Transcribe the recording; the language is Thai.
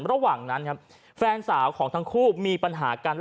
ระหว่างนั้นครับแฟนสาวของทั้งคู่มีปัญหากัน